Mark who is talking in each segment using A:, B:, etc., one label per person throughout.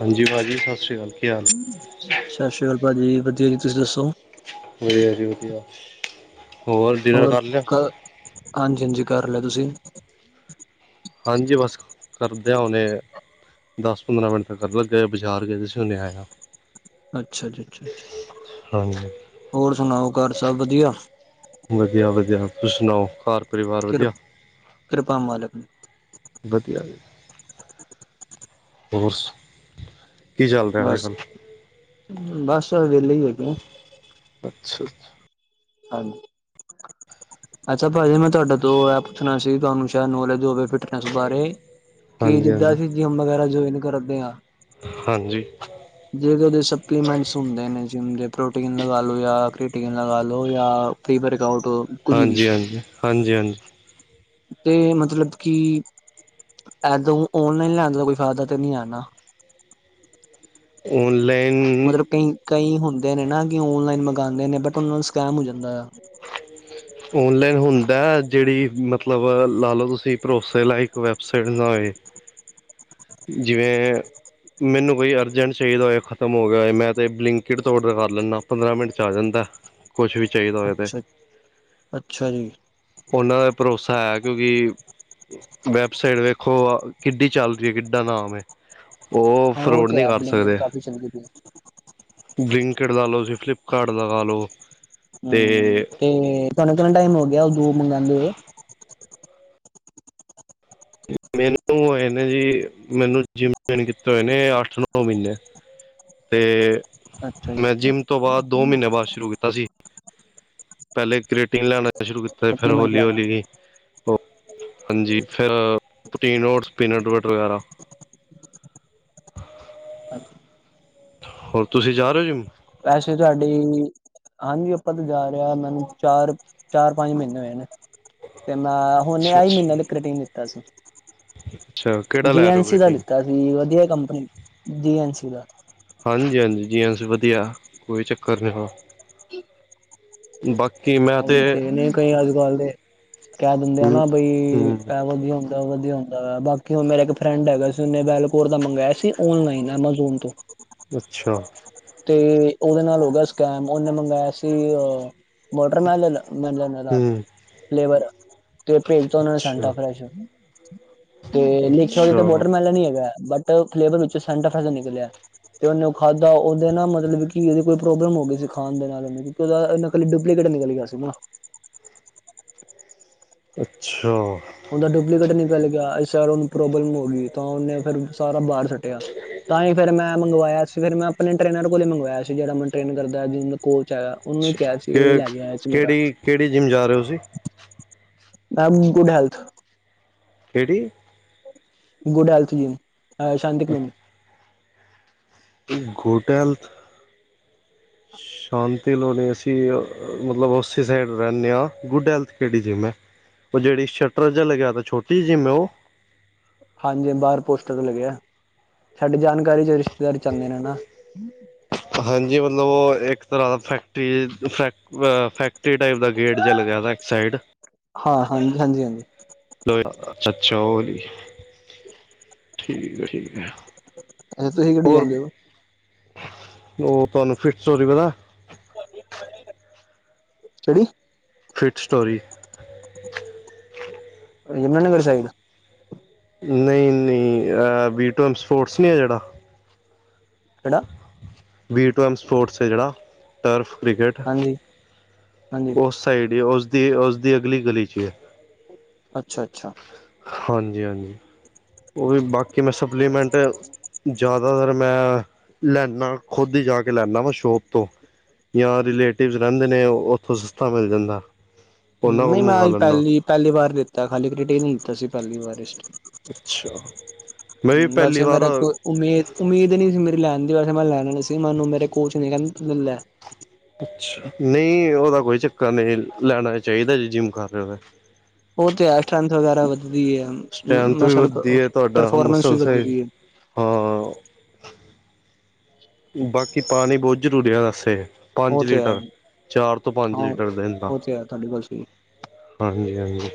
A: ਹਾਂਜੀ ਭਾਜੀ ਸਤਿ ਸ਼੍ਰੀ ਅਕਾਲ ਕੀ ਹਾਲ ਹੈ
B: ਸਤਿ ਸ਼੍ਰੀ ਅਕਾਲ ਭਾਜੀ ਵਧੀਆ ਜੀ ਤੁਸੀਂ ਦੱਸੋ
A: ਅਸੀਂ ਵਧੀਆ ਹੋਰ ਡਿਨਰ ਕਰ ਲਿਆ
B: ਹਾਂਜੀ ਹਾਂਜੀ ਕਰ ਲਿਆ ਤੁਸੀਂ
A: ਹਾਂਜੀ ਬਸ ਕਰਦੇ ਆਂ ਹੁਣੇ ਦਸ ਪੰਦਰਾਂ ਮਿੰਟ ਤੱਕ ਕਰਲੋ ਬਜ਼ਾਰ ਗਏ ਦੇ ਸੀ ਹਣੇ ਆਏ ਆਂ
B: ਅੱਛਾ ਅੱਛ ਅੱਛਾ
A: ਹਾਂਜੀ
B: ਹੋਰ ਸੁਣਾਓ ਘਰ ਸਭ ਵਧੀਆ
A: ਵਧੀਆ ਵਧੀਆ ਤੁਸੀ ਸੁਣਾਓ ਘਰ, ਪਰਿਵਾਰ
B: ਕਿਰ
A: ਵਧੀਆ?
B: ਕਿਰਪਾ ਮਾਲਕ ਦੀ
A: ਵਧੀਆ ਜੀ, ਹੋਰ ਕੀ ਚੱਲ ਰਿਹਾ ਅੱਜ
B: ਬਸ
A: ਕੱਲ੍ਹ?
B: ਬਸ, ਵਿਹਲੇ ਹੀ ਹੈਗੇ
A: ਅੱਛਾ ਅੱਛਾ।
B: ਹਾਂਜੀ ਅੱਛਾ ਭਾਜੀ, ਮੈਂ ਤੁਹਾਡੇ ਤੋਂ ਇਹ ਪੁੱਛਣਾ ਸੀ? ਤੁਹਾਨੂੰ, ਸ਼ਾਇਦ ਨੋਲੇਜ ਹੋਵੇ ਫਿਟਨੈਸ, ਬਾਰੇ ਕਿ
A: ਹਾਂਜੀ
B: ਜਿੱਦਾਂ
A: ਹਾਂਜੀ
B: ਅਸੀਂ, ਜਿੰਮ ਵਗੈਰਾ ਜੁਆਇਨ ਕਰਦੇ ਹਾਂ।
A: ਹਾਂਜੀ।
B: ਜਿਹੜੇ ਉਹਦੇ, ਸਪਲੀਮੈਂਟਸ ਹੁੰਦੇ ਨੇ, ਜਿਵੇਦੇ ਪ੍ਰੋਟੀਨ ਲਗਾ ਲੋ, ਜਾਂ ਕਰੀਟੀਨ ਲਗਾ ਲੋ, ਜਾਂ [unintelligible]
A: ਹਾਂਜੀ--ਹਾਂਜੀ ਹਾਂਜੀ--ਹਾਂਜੀ।
B: ਤੇ ਮਤਲਬ ਕਿ ਐਦੋਂ ਔਨਲਾਈਨ, ਲੈਣ ਦਾ ਕੋਈ ਫਾਇਦਾ ਤੇ, ਨਹੀਂੀ ਹੈਗਾ
A: ਔਨਲਾਈਨ
B: ਮਤਲਬ ਕਈ ਕਈ ਹੁੰਦੇ ਨੇ ਨਾ, ਕਿ ਓਨਲਾਈਨ ਮੰਗਉਂਦੇ ਨੇ ਬਟ ਉਹਨਾਂ ਨੂੰ, ਸਕੈਮ ਹੋ ਜਾਂਦਾ ਆ।
A: ਓਨਲਾਈਨ ਹੁੰਦਾ, ਜਿਹੜੀ ਮਤਲਬ ਲਾ ਲਓ ਤੁਸੀਂ ਭਰੋਸੇ ਲਾਇਕ, ਵ ਸੜਨਾ ਏ, ਜਿਵੇਂ ਮੈਨੂੰ ਕੋਈ, ਅਰਜੈਂਟ ਚਾਹੀਦਾ ਹੋਏ, ਖ਼ਤਮ ਹੋ ਗਿਆ ਹੋਏ, ਮੈਂ ਤਾਂ ਬਲਿੰਕਿਟ ਤੋਂ ਔਡਰ, ਕਰ ਲੈਨਾ। ਪੰਦਰਾਂ ਮਿੰਟ, 'ਚ ਆ ਜਾਂਦਾ, ਕੁਛ ਵੀ ਚਾਹੀਦਾ ਹੋਏ ਤਾਂ
B: ਅੱਛਾ ਅੱਛਾ ਜੀ।
A: ਉਹਨਾਂ ਦਾ ਭਰੋਸਾ ਹੈਇਆ, ਕਿ ਵੈਬਸਾਈਟ ਵੇਖੋ ਕਿੱਡੀ ਚੱਲ ਰਹੀ ਏ, ਕਿੱਡਾ ਨਾਮ ਏ, ਉਹ
B: ਹਾਂ
A: ਫਰੋਡ
B: ਤੇ
A: ਨਹੀਂੀ
B: ਹੈ
A: ਕਰ
B: ਬਲਿੰਕਟ
A: ਸਕਦੇ
B: ਕਾਫੀ ਚੱਲ ਗਈ
A: ਬਿੰਲਕਟ, ਲਾ ਲਓ ਤੁਸੀਂ, ਫਲਿੱਪਕਾਰਟ ਲਗਾਾ ਲਓ ਤੇ
B: ਹੂੰ ਤੇ ਤੁਹਾਨੂੰ, ਕਿਨਾ ਟਾਈਮ ਹੋ ਗਿਆ, ਉਹ ਜੋ ਮਾਂਗਾਦੀ ਏ
A: ਮੈਨੂੰ ਹੋਏ ਨੇ ਜੀ, ਮੈਨੂੰ ਜਿਮ ਜੋਇਨ ਕੀਤਾ ਹੋਏ ਨੇ, ਅੱਠ ਨੌ ਮਹੀਨੇ। ਤੇ
B: ਅੱਛਾ ਜੀ
A: ਮੈਂ
B: ਅੱਛਾ।
A: ਜਿੰਮ ਤੋਂ ਬਾਅਦ, ਦੋ ਮਹੀਨਿਆਂ ਬਾਅਦ, ਸ਼ੁਰੂ ਕੀਤਾ ਸੀ। ਪਹਿਲੇ, ਗ੍ਰੀਟਿੰਗ ਲੈਣਾ ਸ਼ੁਰੂ ਕੀਤਾ ਸੀ। ਫਿਰ
B: ਸਪਲੀਮੈਂਟ
A: ਹੌਲੀ,
B: ਲੈਣਾ
A: ਹੌਲੀ ਹਾਂਜੀ, ਫਿਰ ਪਟੀਨੋਟਸ ਪੀਨਟ ਬਟਰ, ਵਗੈਰਾ
B: ਅੱਛਾ [inaudible]
A: ਹੋਰ, ਤੁਸੀਂ ਜਾ ਰਹੇ ਹੋ ਜਿਮ?
B: ਵੈਸੇ ਤੁਹਾਡੀ ਹਾਂਜੀ, ਆਪਾਂ ਤੇ ਜਾ ਰਹੇ ਆ ਮੈਨੂੰ ਚਾਰ ਚਾਰ ਪੰਜ ਮਹੀਨੇ ਹੋਏ ਨੇ ਤੇ ਮੈਂ ਹੁਣੇ,
A: ਅੱਛਾ
B: ਆਈ ਮਹੀਨੇ
A: ਅੱਛਾ
B: ਦੇ ਕੰਟਨਿਊ, ਕੀਤਾ ਸੀ।
A: ਅੱਛਾ ਕਿਹੜਾ
B: ਜੀ
A: ਲੈ ਰਹੇ
B: ਐਨ
A: ਹੋ
B: ਸੀ ਦਾ
A: ਪ੍ਰੋਟੀਨ
B: ਲਿੱਤਾ ਸੀ, ਵਧੀਆ ਕੰਪਨੀ ਜੀ ਐਨ ਸੀ ਦਾ।
A: ਹਾਂਜੀ, ਹਾਂਜੀ ਜੀ ਹਾਂ ਵਧੀਆ, ਕੋਈ ਚੱਕਰ ਨਹੀਂ ਹੈ।
B: ਹਮ। [inaudible]
A: ਤੇ ਬਾਕ ਮੈਂ
B: ਓਹੀ, ਤੇ ਨੇੇ ਕਈ, ਅਜ ਕੱਲ ਦੇ ਕਹਿ ਦਿੰਦੇ ਆ
A: ਹੂੰ
B: ਨਾ ਬਈ
A: ਹੂੰ
B: ਇਹ ਵਧੀਆ ਹੁੰਦਾ ਉਹ ਵਧੀਆ ਹੁੰਦਾ ਬਾਕੀ ਹੁਣ ਮੇਰਾ ਫਰੈਂਡ ਹੈਗਾ ਸੀ ਉਹਨੇ ਬੈਲਕੋਰ ਦਾ ਮੰਗਵਾਆ ਸੀ ਓਨਲਾਈਨ ਐਮਾਜ਼ੋਨ ਤੋਂ।
A: ਅੱਛਾ।
B: ਤੇ ਉਹਦੇ ਨਾਲ, ਹੋ ਗਿਆ ਸਕੈਮ, ਉਹਨੇ ਮਗਵਾਇਆ ਸੀ ਵਾਟਰਮੇਲਣ ਦਾ
A: ਹੂੰ
B: ਫਲੇਵਰ, ਤੇ ਭੇਜ ਤਾਂ ਉਹਨਾਂ ਨੇ,
A: ਅੱਛਾ
B: ਸੰਤਾਫਰਾਂਸਰ। ਤੇ ਲਿਖਿਆ ਉਦੇ ਤਾਂ
A: ਅੱਛਾ
B: ਵੋਟਰ ਮੈਲਨ ਹੀ ਹੈਗਾ, ਬਟ ਫਲੇਵਰ ਵਿੱਚੋਂ, ਸੈਂਟਾ ਫੇਰੇਸਰ ਦਾ ਨਿਕਲਿਆ। ਤੇ ਉਹਨੇ ਉਹ ਖਾਧਾ, ਉਹਦੇ ਨਾ ਮਤਲਬ ਕਿ ਉਹਦੇ ਕੋਈ ਪ੍ਰੋਬਲਮ ਹੋ ਗਈ ਸੀ, ਖਾਣ ਦੇ ਨਾਲ, ਨਕਲੀੁ ਨਿਕਲ ਨਿਕਲ ਗਿਆ ਸੀ ਨਾ
A: ਅੱਛਾ।
B: ਉਹਦਾ ਡੁਪਲੀਕੇਟ, ਨਿਕਲ ਗਿਆ ਇਸ ਉਹਨੂੰ ਪ੍ਰੋਬਲਮ ਹੋ ਗਈ, ਤਾਂ ਉਹਨੇ ਫਿਰ ਸਾ ਬਾਹਰ ਸੁੱਟਿਆ ਤਾਂ ਹੀ ਫ਼ਿਰ ਮੈਂ ਮੰਗਵਾਇਆ ਸੀ। ਫਿਰ ਮੈਂ ਆਪਣੇ ਟ੍ਰਰੇਨਰ ਕੋਲ ਹੀ ਮੰਗਵਾਇਆ ਸੀਮ ਜਿਹੜਾ ਮੈੂੰ੍ਰਰੇਨ ਕਰਦਾ ਜਿਹ ਕੋਲਚ ਹੈਗਾ। ਉਹਨੂੰ
A: ਅੱਛਾ।
B: ਕਿਹਾ ਸੀ ਉਹੀ
A: ਕਿ
B: ਲੈ ਗਿਆ ਚ ਮੇਰਾ।
A: ਕਿਹੜੀ ਕਿਹੜੀ ਜਿੰਮ ਜਾ ਰਹੇ ਹੋ ਤੁਸੀਂ
B: ਨਾਮ ਕਂ ਡੇ ਹੱਲ
A: ਕਿਹੜੀ
B: ਗੁਡਲਥਨ ਸ਼ਾਂਤੀ ਕੂਨ
A: ਗੋਟਲ ਸ਼ਾਂਤੀ ਲਣੀ ਅਸੀਂ ਮਤਲਬ ਉਸੇ ਸਾਈਡ ਰਹਿੰਦੇ ਹਾਂ ਗੁੱਡ ਹੈਲਥ ਕਿਹੜੀ ਜਿੰਮ ਹੈ। ਉਹ ਜਿਹੜੀ ਸ਼ਟਰ ਜਿ ਲਗਿਆ ਤੇ ਛੋਟੀ ਜਿ ਮੈਂ ਉਹ।
B: ਹਾਂਜੀ। ਬਾਹਰ ਪੋਸਟਰ ਤੋਂ ਲੱਗੇ ਆ ਸਾਡੀ ਜਾਣਕਾਰੀ ਚ ਰਿਸ਼ਤੇਦਾਰ ਚੱਲਦੇ ਨੇ ਹਨਾ। [unintelligible]
A: ਹਾਂਜੀ। ਮਤਲਬ ਉਹ ਇੱਕ ਤਰ੍ਹਾਂ ਦਾ ਫੈਕਟਰੀ ਫੈਕ ਅ ਫੈਕਟਰੀ ਟਾਈਪ ਦਾ ਗੇਟ ਜਿ ਲ ਗਿਆ ਇੱਕ ਸਾਈਡ।
B: ਹਾਂ। ਹਾਂਜੀ ਹਾਂਜੀ, ਹਾਂਜੀ।
A: ਅੱਛਾ ਅੱਛਾ ਹੋਲੀ। ਠੀਕ ਹੈ, ਠੀਕ ਹੈ
B: ਅੱਛਾ ਤੁਸੀਂ ਕਿਹੜੀ
A: ਹੋਰ
B: ਜਾਂਦੇ ਹੋ
A: ਉਹ ਤੁਹਾਨੂੰ ਫਿਟ ਚੋਰੀ ਪਤਾ
B: ਕਿਹੜੀ?
A: Fit story.
B: Yamuna Nagar side.
A: ਨਈ-ਨਈ ਅ ਵੀ ਟੋਨ ਸਪੋਰਟਸ ਨੀ ਐ ਜਿਹੜਾ।
B: ਕਿਹੜਾ?
A: ਵੀ ਟੂ ਐੱਮ ਸਪੋਰਟਸ ਏ ਜਿਹੜਾ ਟਰਫ ਕ੍ਰਿਕਟ।
B: ਹਾਂਜੀ ਹਾਂਜੀ
A: ਉਸ ਸਾਈਡ ਈ ਉਸਦੀ-ਉਸਦੀ ਅਗਲੀ ਗਲੀ 'ਚ ਐ।
B: ਅੱਛਾ-ਅੱਛਾ।
A: ਹਾਂਜੀ-ਹਾਂਜੀ ਉਹ ਵੀ ਬਾਕੀ ਮੈਂ ਸਪਲੀਮੈਂਟ, ਜ਼ਿਆਦਾ ਦਰਸਲ ਮੈਂ ਲੈਨਾ ਖੁਦ ਈ ਜਾ ਕੇ ਲੈਂਨਾ ਵਾ ਸ਼ੋਪ ਤੋਂ। ਜਾਂ ਰਿਲੇਟਿਵਸ ਰਹਿੰਦੇ ਨੇ ਉੱਥੋਂ ਸਸਤਾ ਮਿਲ ਜਾਂਦਾ। ਉਹਨਾਂ
B: ਨਈ
A: ਕੋਲ
B: ਮੈਂ
A: ਮੰਗਵਾ
B: ਆਈ
A: ਲੈਂਦਾ
B: ਪਹਿਲੀ-ਪਹਿਲੀ ਵਾਰ ਦਿੱਤਾ ਖਾਲੀ ਕਰਟੇਨ ਈ ਦਿੱਤਾ ਸੀ ਪਹਿਲੀ ਵਾਰਿਸਟ।
A: ਅੱਛਾ, ਮੈਂ ਵੀ ਪਹਿਲੀ ਵਾਰ
B: ਮੇਰਾ ਕੋ ਉਮੀਦ, ਉਮੀਦ ਨਹੀਂੀ ਸੀ ਮੇਰੀ ਲੈਣ ਦੀ ਵੈਸੇ ਮੈਂ ਲੈਣ ਵਾਲੀ ਸੀ ਮੈਨੂੰ ਮੇਰੇ ਕੋਚ ਨ ਕਹਿੰਦੀ ਲੈ।
A: ਅੱ ਨਹੀਂ ਉਹਦਾ ਕੋਈ ਚੱਕਰ ਨਹੀਂ ਲੈਣਾ ਚਾਹੀਦਾ ਜੀ ਜਿੰਮ ਕਰ ਰਹੇ ਹੋ।
B: ਉਹ ਤੇ ਆਸ਼ਾਂਤ ਵਗੈਰਾ ਵਧਦੀ ਹੈ।
A: ਸੈਂਥ ਵੀ
B: ਮਸਲ
A: ਵੱਧਦੀ ਹੈ ਤੁਹਾਡਾ
B: ਪਰਫੋਰਮੈਂਸ ਵੀ
A: ਮਸਲਸ
B: ਵੱਧਦੀ ਹੈ
A: ਹਾਂ ਬਾਕੀ ਪਾਣੀ ਬਹੁਤ ਜ਼ਰੂਰੀ ਹੈ ਵਸੇ। ਪੰਜ
B: ਉਹ ਤੇ ਹੈ
A: ਲੀਟਰ ਚਾਰ ਤੋਂ ਪੰਜ
B: ਹਾਂ
A: ਲੀਟਰ ਦ ਦਿੰਦਾ
B: ਉਹ ਤੇ ਹੈ ਤੁਹਾਡੀ ਗੱਲ ਸਹੀ
A: ਹਾਂਜੀ-ਹਾਂਜੀ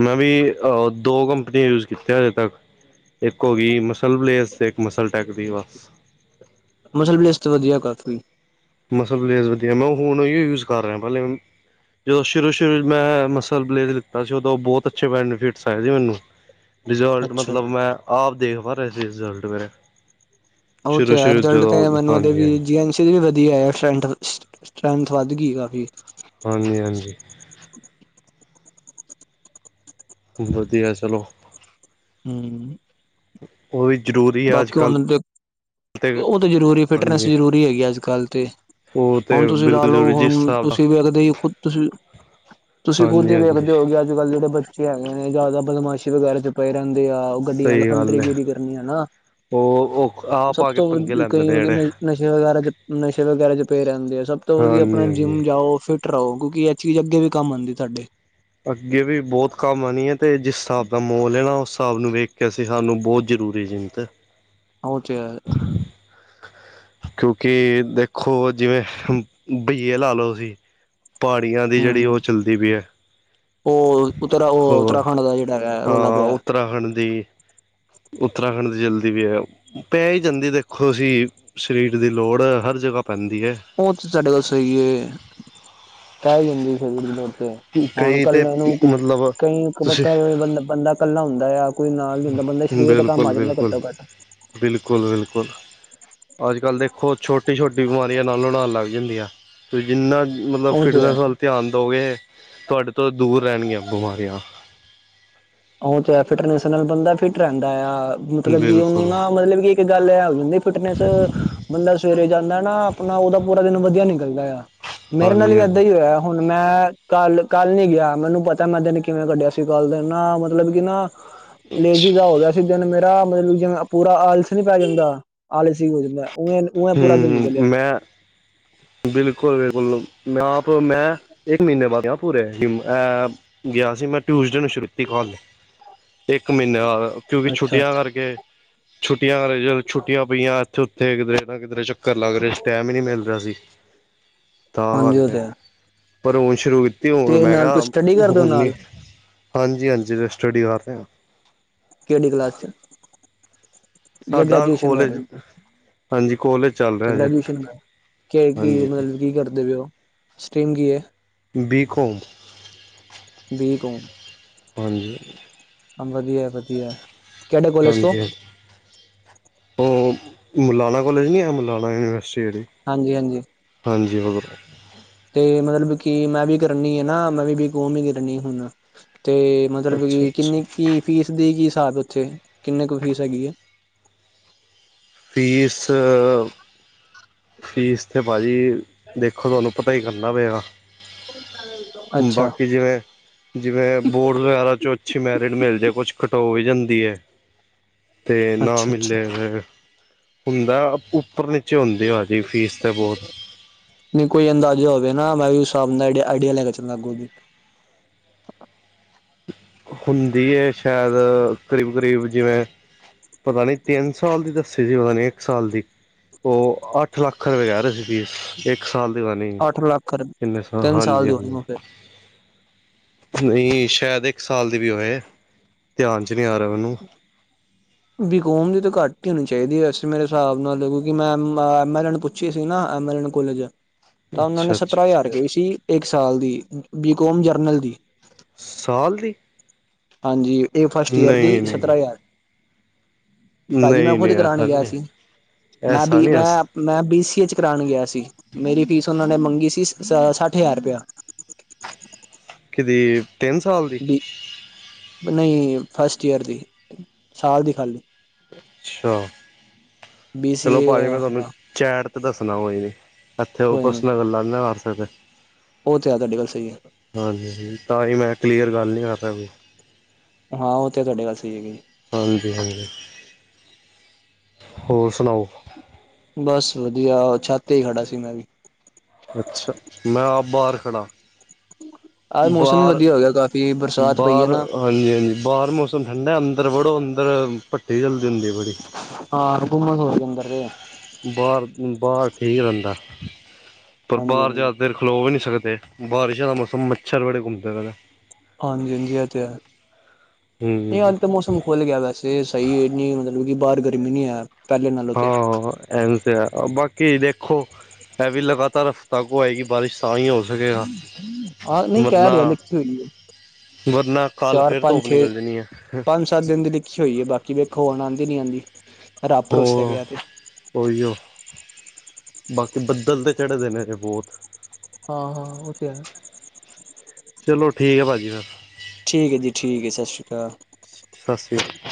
A: ਮੈਂ ਵੀ ਅ ਦੋ ਕੰਪਨੀਆਂ ਯੂਜ ਕੀਤੀਆਂ ਹਜੇ ਤੱਕ। ਇੱਕ ਹੋਗੀ ਮਸਲ ਬਲੇਜ ਤੇ ਇੱਕ ਮਸਲ ਟੈਕ ਦੀ ਬਸ।
B: ਮਸਲ ਬਲਿਸਟ ਵਧੀਆ ਕਾਫੀ‌।
A: ਮਸਲਸ ਬਲੇਜ ਵਧੀਆ ਮੈਂ ਹੁਣ ਉਈਓ ਯੂਜ ਕਰ ਰਿਆ ਪਹਿਲੇ ਜਦੋਂ ਸ਼ੁਰੂ-ਸ਼ੁਰੂ 'ਚ ਮੈਂ ਮਸਲ ਬਲੇਜ ਲਿੱਤਾ ਸੀ ਉਦੋਂ ਬਹੁਤ ਅੱਛੇ ਬੈਨੀਫਿਟਸ ਆਏ ਸੀ ਮੈਨੂੰ। ਰਿਜ਼ਲਟ
B: ਅੱਛਾ
A: ਮਤਲਬ
B: ਜੀ
A: ਮੈਂ ਆਪ ਦੇਖ ਪਾ ਰਿਹਾ ਸੀੇ ਰਿਜ਼ਲਟ ਮੇਰੇ।
B: ਓ ਤੇ ਐ
A: ਸ਼ੁਰੂ-ਸ਼ੁਰੂ
B: ਰਿਜਲਟ ਤੇ
A: ਜਦੋਂ
B: ਮੈਨੂੰ ਦੇਵੀ
A: ਹਾਂਜੀ-ਹਾਂਜੀ,
B: ਜੀ ਐਨ 'ਚ ਇਹ ਵੀ ਵਧੀਆ ਸਟਰੈ੍ਂਥ ਸ ਸਟਰ੍ਰੈਂਥ ਵੱਧ ਗੀ ਕਾਫੀ।
A: ਹਾਂਜੀ-ਹਾਂਜੀ। ਵਧੀਆ ਚਲੋ।
B: ਹੂੰ
A: ਉਹ ਵੀ ਜ਼ਰੂਰੀ ਆ ਅੱਜ-ਕੱਲ੍ਹ।
B: ਹੁਣ ਤੇ
A: ਤੇ
B: ਉਹ ਤਾਂ ਜ਼ਰੂਰੀ ਫਿਟਨੈਸ
A: ਹਾਂਜੀ
B: ਜ਼ਰੂਰੀ ਹੈਗੀ ਅੱਜ-ਕੱਲ੍ਹ ਤੇ।
A: ਉਹ ਤੇ
B: ਹੁਣ ਤੁਸੀਂ ਲਾ
A: ਬਿਲਕੁਲ
B: ਲਓ
A: ਜ਼ਰੂਰੀ ਜਿਸ
B: ਹੁਣ
A: ਹਿਸਾਬ ਦਾ
B: ਤੁਸੀਂ ਵੇਖਦੇ ਈ ਖੁਦ ਤੁਸੀਂ ਤੁਸੀਂ ਖੁਦ ਈ
A: ਹਾਂਜੀ-ਹਾਂਜੀ
B: ਵੇਖਦੇ ਓ ਕਿ ਅੱਜ-ਕੱਲ੍ਹ ਜਿਹੜੇ ਬੱਚੇ ਹੈਗੇ ਨੇ ਜ਼ਿਆਦਾ ਬਦਮਾਸ਼ੀ ਵਗੈਰਾ 'ਚ ਪਏ ਰਹਿੰਦੇ ਆ ਉਹ ਗੱਡੀਆਂ ਲਫੰਡਰੀ ਗੇਰੀ ਕਰਨੀਆਂ ਆ ਨਾ।
A: ਉਹ ਓ
B: ਸਭ ਤੋਂ ਵੱਡ ਕਈ ਹੈਗਾ ਨਈ-ਨਈ ਨਸ਼ੇ ਵਗੈਰਾ 'ਚ ਨਸ਼ੇ ਵਗੈਰਾ 'ਚ ਪਏ ਰਹਿੰਦੇ ਆ ਸਭ ਤੋਂ ਵਧੀਆ ਆਪਣਾ ਜਿੰਮ
A: ਹਾਂਜੀ-ਹਾਂਜੀ।
B: ਜਾਓ ਫਿ ਟ ਰਓ ਕਿਉਂਕਿ ਐ ਚੀਜ ਅੱਗੇ ਵੀ ਕੰਮ ਆਂਦੀ ਥਾਡੇ।
A: ਅੱਗੇ ਵੀ ਬਹੁਤ ਕੰਮ ਆਣੀ ਐ ਤੇ ਜਿਸ ਹਿਸਾਬ ਦਾ ਮੌਲ ਐ ਨਾ ਉਸ ਹਿਸਾਬ ਨੂੰ ਵੇਖ ਕੇ ਅਸੀਂ ਸਾਨੂੰ ਬਹੁ ਜ਼ਰੂਰੀ ਜਿੰਤ
B: [unintelligible]
A: [inaudible] ਕਿਉਂਕਿ ਦੇਖੋ ਜਿਵੇਂ ਬਈਏ ਲਾ ਲਓ ਤੁਸੀਂ ਪਹਾੜੀਆਂ ਦੀ ਜਿਹੜੀ ਉਹ
B: ਹਮ
A: ਚੱਲਦੀ ਪੀ ਐ।
B: ਉਹ ਉਤਰਾ ਉਹ ਉੱਤਰਾਖੰਡ ਦਾ ਜਿਹੜਾ ਹੈਗਾ ਐ ਰੌਲਾ
A: ਹਾਂ
B: ਪਿਆ।
A: ਉੱਤਰਾਖੰਡ ਦੀ ਉੱਤਰਾਖੰਡ ਦੀ ਜਲਦੀ ਵੀ ਐ। ਪੈ ਈ ਜਾਂਦੀ ਦੇਖੋ ਤੁਸੀਂ, ਸਰੀਰ ਦੀ ਲੋੜ ਹਰ ਜਗ੍ਹਾ ਪੈਂਦੀ ਐ।
B: ਉਹ ਤੇ ਸਾਡੀ ਗੱਲ ਸਈ ਐ। ਕਹਿ ਹੀ ਜਾਂਦੀ ਸਰ ਦੀ ਲੋੜ ਤੇ ਹੁਣ
A: ਕਈ ਤੇ
B: ਇਕੱਲੇ ਨੂੰ
A: ਮਤਲਬ ਤੁਸੀਂ
B: ਕਈ ਬੰ ਬੰਦਾ ਇਕੱਲਾ ਹੁੰਦਾ ਆ ਕੋਈ ਨਾਲ ਨਹੀਂ ਹੁੰਦਾ ਬੰਦਾ ਸਰੀਰ ਤੇ ਕੰਮ
A: ਬਿਲਕੁਲ
B: ਆ ਜਾਂਦਾ
A: ਬਿਲਕੁਲ
B: ਘੱਟੋ ਘੱਟ
A: ਬਿਲਕੁਲ- ਬਿਲਕੁਲ ਅੱਜ ਕੱਲ੍ਹ ਦੇਖੋ ਛੋਟੀ -ਛੋਟੀ ਬਿਮਾਰੀਆਂ ਨਾਲੋਂ- ਨਾਲ ਲੱਗ ਜਾਂਦੀਆਂ ਤੁਸੀਂ ਜਿੰਨਾ ਮਤਲਬ
B: ਉਹ ਤੇ ਹੈ
A: ਫਿਟਨੈਸ ਵੱਲ ਧਿਆਨ ਦਓਗੇ, ਤੁਹਾਡੇ ਤੋਂ ਦੂਰ ਰਹਿਣਗੀਆਂ ਬਿਮਾਰੀਆਂ
B: ਉਹ ਤੇ ਹ ਫਿਟਨੈਸ ਨਾਲ ਬੰਦਾ ਫਿਟ ਰਹਿੰਦਾ ਆ। ਮਤਲਬ ਕਿ ਉਹਨੂੰ
A: ਬਿਲਕੁਲ
B: ਨਾ ਮਤਲਬ ਕਿ ਗੱਲ ਹੈ ਹੋ ਜਾਂਦੀ ਫਿਟਨੈਸ ਬੰਦਾ ਸਵੇਰੇ ਜਾਂਦਾ ਨਾ ਆਪਣਾ ਉਹਦਾ ਪੂਰਾ ਦਿਨ ਵਧੀਆ ਨਿਕਲਦਾ ਆ। ਮੇਰੇ ਨਾਲ
A: ਹਾਂਜੀ
B: ਹੀ ਏਦਾਂ ਹੀ
A: ਹਾਂਜੀ
B: ਹੋਇਆ ਹੁਣ ਮੈਂ ਕੱਲ ਕੱਲ ਨੀ ਗਿਆ। ਮੈਨੂੰ ਪਤਾ ਮੈਂ ਦਿਨ ਕਿਵੇਂ ਕੱਢਿਆ ਸੀ। ਕੱਲ ਦਿ ਨਾ ਮਤਲਬ ਕਿ ਨਾ ਲੇਜੀ ਜਿਹਾ ਹੋ ਗਯਾ ਦਿਨ ਮੇਰਾ ਮਤਲਬ ਜ ਪੂਰਾ ਆਲਸ ਨੀ ਪੈ ਜਾਂਦਾ। ਆਲਸ ਹੀ ਹੋ ਜਾਂਦਾ ਉਵੇ- ਉਵੇਂ ਪੂਰਾ ਦਿਨ ਨਿਕਲਿਆ
A: ਬਿਲਕੁਲ- ਬਿਲਕੁਲ ਮੈਂ ਆਪ ਮੈਂ ਇੱਕ ਮਹੀਨੇ ਬਾਅਦ ਗਯਾ ਪੁਰੇ ਜਿਮ ਗਿਆ ਸੀ ਮੈਂ ਟਿਊਸਡੇ ਨੂੰ ਸ਼ੁਰੂ ਕੀਤੀ ਕਾਲ ਇੱਕ ਮਹੀਨੇ ਕਿਉਂਕਿ
B: ਅੱਛਾ
A: ਛੁੱਟੀਆਂ
B: ਅੱਛਾ
A: ਕਰਕੇ, ਛੁੱਟੀਆਂ ਕਰਕੇ ਜ ਛੁੱਟੀਆਂ ਪਈਆਂ ਇੱਥੇ-ਉੱਥੇ ਕਿਧਰੇ ਨਾ ਕਿਧਰੇ ਚੱਕਰ ਲੱਗਰੇ ਟੈਮ ਏ ਨੀ ਮਿਲ ਰਿਹਾ ਸੀ। ਤਾਂ
B: ਹਾਂਜੀ ਉਹ
A: ਕਰਕੇ,
B: ਤੇ ਹੈ
A: ਪਰ ਹੁਣ ਸ਼ੁਰੂ ਕੀਤੀ ਹੁਣ
B: ਤੇ
A: ਮੈਂ
B: ਨਾਲ
A: ਕਿਹਾ
B: ਤੁਸੀਂ ਸਟੱਡੀ ਕਰਦੇ ਹੋ
A: ਹੁਣ ਨੀ।
B: ਨਾਲ
A: ਹਾਂਜੀ-ਹਾਂਜੀ ਫੇਰ ਸਟੱਡੀ ਕਰ ਰੇਓ?
B: ਕਿਹੜੀ ਕਲਾਸ 'ਚ, ਜਾਂ
A: ਸਾਡਾ
B: ਗ੍ਰੈਜੂਏਸ਼ਨ ਕਰ ਰੇਓ?
A: ਕੋਲਜ ਹਾਂਜੀ ਕੋਲੇਜ ਚਲ
B: ਗ੍ਰੈਜੂਏਸ਼ਨ ਕਰ, ਕੇ ਕੀ ਮਤਲਬ ਕੀ ਕਰਦੇ ਪੇਓ, ਸਟ੍ਰੀਮ ਕੀ ਐ?
A: ਬੀ ਕੌਮ,
B: ਬੀ
A: ਹਾਂਜੀ
B: ਹ ਵਧੀਆ- ਵਧੀਆ ਕਿਹੜੇ ਕੋਲਜ ਤੋਂ?
A: ਹਾਂਜੀ- ਹਾਂਜੀ ਉਹ ਮੁਲਾਣਾ ਕੌਲਜ ਨਹੀਂ ਹੈ। ਮੁਲਾਣਾ ਯੂਨੀਵਰਸਿਟੀ
B: ਹਾਂਜੀ -ਹਾਂਜੀ
A: ਹਾਂਜੀ ਹੋਰ
B: ਤੇ ਮਤਲਬ ਕਿ ਮੈਂ ਵੀ ਕਰਨੀ ਆ ਨਾ ਮੈਂ ਵੀ ਬੀ- ਕੌਮ ਕਰਨੀ ਹੁਣ ਤੇ ਮਤਲਬ
A: ਅੱਛਾ
B: ਕਿ
A: ਅੱਛਾ
B: ਕਿੰਨੀ ਕੁ ਫੀਸ ਦੀ ਕੀ ਹਿਸਾਬ ਉੱਥੇ ਕਿੰਨਨੀ ਕੁ ਫੀਸ ਹੈਗੀ ਹੈ
A: ਫੀਸ ਫੀਸ ਤੇ ਭਾਅ ਜੀ ਦੇਖੋ। ਤੁਹਾਨੂੰ ਪਤਾ ਈ ਕਰਨਾ ਪਏਗਾ
B: ਅੱਛਾ
A: ਜਿਵੇ ਜਿਵੇਂ ਬੋਰਡ ਵਗੈਰਾ ਚ ਅੱਛੀ ਮੈਰਿਟ ਮਿਲ ਜਾਏ। ਕੁਛ ਖਟੋ ਵੀ ਜਾਂਦੀ ਹੈ ਤੇ ਨਾ
B: ਅੱਛਾ ਅੱਛਾ
A: ਮਿਲੇ ਹੁੰਦਾ ਉੱਪਰ ਨੀਚੇ ਹੁੰਦੇ ਆ ਜੀ। ਫੀਸ ਤੇ ਬਹੁਤ
B: ਨਹੀਂ ਕੋਈ ਅੰਦਾਜ਼ਾ ਹੋਵੇ ਨਾ ਮੈਂ ਵੀ ਹਿਸਾਬ ਨਾਲ ਆਈਡੀਆ ਲੈ ਕੇ ਚੱਲਦਾ ਅੱਗੂ ਵੀ
A: ਹੁੰਦੀ ਹੈ। ਸ਼ਾਇਦ ਕਰੀਬ- ਕਰੀਬ ਜਿਵੇਂ ਪਤਾ ਨੀ ਤਿੰਨ ਸਾਲ ਦੀ ਦੱਸੀ ਸੀ। ਪਤਾ ਨੀ ਇੱਕ ਸਾਲ ਦੀ ਉਹ ਅੱਠ ਲੱਖ ਰੁਪਏ ਕਹਿ ਰਹੇ ਸੀ। ਫੀਸ ਇੱਕ ਸਾਲ ਦੀ ਰਾਣੀ
B: ਅੱਠ ਲੱਖ
A: ਕਿੰਨੇ ਸ
B: ਤਿੰਨ ਸਾਲ
A: ਹਾਂਜੀ-
B: ਦੀ ਹੋਣੀ
A: ਹਾਂਜੀ
B: ਉਹ ਫਿਰ।
A: ਨਹੀਂ ਸ਼ਾਇਦ ਇੱਕ ਸਾਲ ਦੀ ਵੀ ਹੋਏ -ਧਿਆਨ ਚ ਨਹੀਂ ਆ ਰਿਹਾ ਮੈਨੂੰ
B: ਬਿਕੋਮ ਦੀ ਤਾਂ ਘੱਟ ਹੀ ਹੋਣੀ ਚਾਹੀਦੀ ਵੈਸੇ ਮੇਰੇ ਹਿਸਾਬ ਨਾਲ ਕਿਉਂਕਿ ਮੈਂ ਪੱਛੇ ਸੀ ਨਾ। ਐਮ ਨ ਕੋਲੇਜ
A: ਹਾਂ [inaudible] [inaudible]
B: ਤਾਂ ਉਹਨਾਂ ਨੇ ਸਤਰਾਂ ਹਜ਼ਾਰ ਕਈ ਸੀ ਇੱਕ ਸਾਲ ਦੀ ਬੀਕੋਮ ਜਰਨਲ ਦੀ
A: ਸਾਲ ਦੀ-
B: ਹਾਂਜੀ। ਇਹ ਫਸਟ ਈਅਰ ਦੀ
A: ਨਹੀਂ ਨਹੀਂ
B: ਸਤਰਾਂ ਹਜ਼ਾਰ ਭਾਜੀ ਮੈਂ
A: ਨਹੀਂ
B: ਖੁਦ
A: ਨਹੀਂ
B: ਕਰਾਉਣ
A: ਐਸਾ
B: ਗਿਆ
A: ਨਹੀਂ ਹੈ
B: ਸੀ। ਮੈਂ
A: ਐਸਾ
B: ਵੀ
A: ਨਹੀਂ ਐਸ
B: ਮੈਂ ਮੈਂ ਬੀ ਸੀਏ ਚ ਕਰਾਉਣ ਗਿਆ ਸੀ। ਮੇਰੀ ਫੀਸ ਉਹਨਾਂ ਨੇ ਮੰਗੀ ਸੀ ਸ ਸੱਠ ਹਜ਼ਾਰ ਰੁਪਇਆ
A: ਕਿਦੀ ਤਿੰਨ ਸਾਲ ਦੀ
B: ਨਹੀਂ ਫਸਟ ਈਅਰ ਦੀ ਸਾਲ ਦੀ ਖਾਲੀ।
A: ਅੱਛਾ
B: ਬੀ ਸੀ
A: ਚਲੋ
B: ਏ
A: ਭਾਜੀ ਮੈਂ ਤੁਹਾਨੂੰ
B: ਹਾਂ
A: ਚੈਟ ਤੇ ਦੱਸਣਾ ਕੋਈ ਨਹੀਂ ਇੱਥੇ ਉਹ
B: ਕੋਈ ਨੀ
A: ਪਰਸਨਾਂ ਗੱਲਾਂ ਨਹੀਂ ਨਾ ਕਰ ਸਕਦੇ।
B: ਉਹ ਤੇ ਐ ਤੁਹਾਡੀ ਗੱਲ ਸਈ ਐ।
A: ਹਾਂਜੀ, ਤਾਂ ਹੀ ਮੈਂ ਕਲੀਅਰ ਗੱਲ ਨਹੀਂ ਕਰਦਾ ਕੋਈ।
B: ਹਾਂ, ਉਹ ਤੇ ਤੁਹਾਡੇ ਗੱਲ ਸਹੀ ਹੈਗੀ ਜੀ।
A: ਹਾਂਜੀ-ਹਾਂਜੀ ਹੋਰ ਸੁਣਾਓ?
B: ਬਸ ਵਧੀਆ ਛੱਤ ਤੇ ਹੀ ਖੜਾ ਸੀ ਮੈਂ ਵੀ
A: ਅੱਛਾ, ਮੈਂ ਆਪ ਬਾਹਰ ਖੜਾ
B: ਆਹ ਮੌਸਮ ਵੀ
A: ਬਾਹਰ
B: ਵਧੀਆ ਹੋ ਗਿਆ ਕਾਫੀ ਬਰਸਾਤ ਪਈ ਐ ਨਾ।
A: ਹਾਂਜੀ-ਹਾਂਜੀ, ਬਾਹਰ ਮੌਸਮ ਠੰਡਾ ਅੰਦਰ ਪੜ੍ਹੋ ਅੰਦਰ ਭੱਠੀ ਚਲਦੀ ਹੁੰਦੀ ਪਈ।
B: ਹਾਂ, ਹੋਮਸ ਹੋਗੀ ਅੰਦਰ ਤੇ।
A: ਬਾਹਰ- ਬਾਹਰ ਠੀਕ ਰਹਿੰਦਾ ਪਰ
B: ਹਾਂਜੀ
A: ਬਾਹਰ
B: ਹਾਂਜੀ
A: ਜ਼ਿਆਦਾ ਦੇਰ ਖਲੋ ਵੀ ਨਹੀਂ ਸਕਦੇ। ਬਾਰਿਸ਼ਾਂ ਦਾ ਮੌਸਮ ਮੱਛਰ ਬੜੇ ਘੁੰਮਦੇ ਪਏ
B: ਹਾਂਜੀ- ਹਾਂਜੀ ਇਹ ਤੇ ਹੈ। ਨਹੀਂ
A: ਹੂੰ
B: ਅਜ ਤਾਂ ਮੌਸਮ ਭੁੱਲ ਗਿਆ ਵੈਸੇ ਸਹੀ ਇਹ ਨ ਮਤਲਬ ਕਿ ਬਾਹਰ ਗਰਮੀ ਨੀ ਅ ਪਹਿਲੇ ਨਾਲ ਉਥੇ
A: ਐ ਬਾਕੀ ਦੇਖੋ ਇਹ ਵੀ ਲਗਾਤਾਰ ਹਫ਼ਤਾ ਕੁ ਆਏਗੀ ਬਾਰਿਸ਼ ਤਾਂ ਹੀ ਹੋ ਸਕੇਗਾ
B: ਹਹ ਨਹੀਂ ਕਹ
A: ਵਰਨਾ
B: ਰਿਹਾ ਲਿਖੀ ਹੋਈ ਹ
A: ਵਰਨਾ ਕੱਲ ਫੇਰ ਧੁੱਪ ਨਿਕਲ ਜਾਣੀ ਆ।
B: ਪੰਜ ਸੱਤ ਦਿਨ ਦੀ ਲਿਖੀ ਹੋਈ ਐ ਬਾਕੀ ਵੇਖੋ ਹੁਣ ਆਦੀ ਨੀ ਆਉਦੀ ਰੱਬ ਭਰੋਸਾ ਹੈਗਾ ਇਹ ਤੇ
A: ਓਹੀਓ ਬਾਕੀ ਬੱਦਲ ਤਾਂ ਚੜ੍ਹੇ ਦੇ ਨੇ ਇਹ ਬਹੁਤ
B: ਹਾਂ ਹਾਂ, ਓਹ ਤੇ ਹੈ।
A: ਚਲੋ ਠੀਕ ਐ ਭਾਜੀ ਫਿਰ।
B: ਠੀਕ ਏ ਜੀ ਠੀਕ ਏ ਸਤਿ ਸ਼੍ਰੀ ਅਕਾਲ।
A: ਸਤਿ ਸ੍ਰੀ